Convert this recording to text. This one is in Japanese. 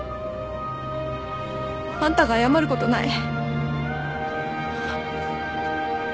あんたが謝ることない。